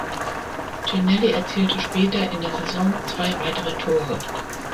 Ginnelly erzielte später in der Saison zwei weitere Tore.